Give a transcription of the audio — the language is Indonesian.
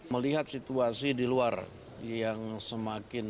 melihat situasi di luar yang semakin